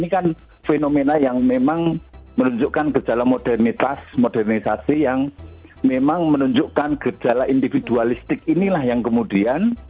jadi itu memang menunjukkan gejala modernitas modernisasi yang memang menunjukkan gejala individualistik inilah yang kemudian